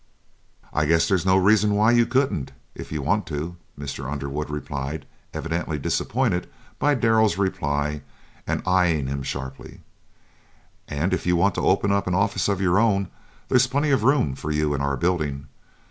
"I guess there's no reason why you couldn't if you want to," Mr. Underwood replied, evidently disappointed by Darrell's reply and eying him sharply, "and if you want to open up an office of your own there's plenty of room for you in our building.